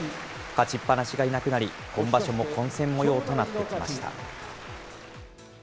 勝ちっ放しがいなくなり、今場所も混戦もようとなってきました。